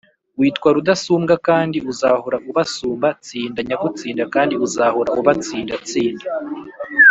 witwa rudasumbwa kandi uzahora ubasumba, tsinda nyagutsinda kandi uzahora ubatsinda, tsinda.